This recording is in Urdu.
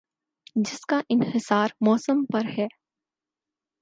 جس کا انحصار موسم پر ہے ۔